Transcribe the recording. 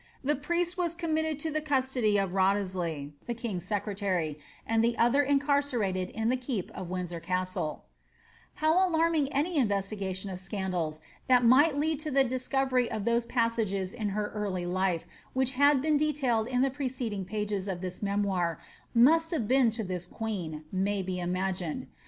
The priest was committed to the custody of Wriothesley, the king's secretary, and the other incarcerated in the keep of Windsor Castle.' How alarming any investigation of scandals that might lead to the ,,,———,—^^^' Aots of Privy Goaxicil, vol. viL V XATHARINS HOWARD. 997 discoveiy of those passages in her early life which have been detailed in the preceding pages of this memoir must have been to the queen, may be imagined.